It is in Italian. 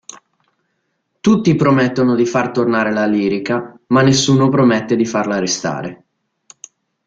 Tutti promettono di far tornare la lirica me nessuno promette di farla restare.